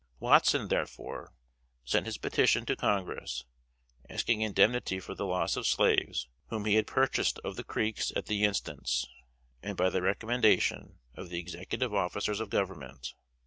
Watson, therefore, sent his petition to Congress, asking indemnity for the loss of slaves whom he had purchased of the Creeks at the instance, and by the recommendation, of the Executive officers of Government.